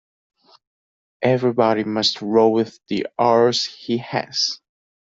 Everybody must row with the oars he has.